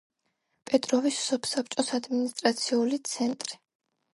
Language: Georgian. პეტროვის სოფსაბჭოს ადმინისტრაციული ცენტრი.